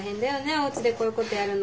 おうちでこういうことやるの。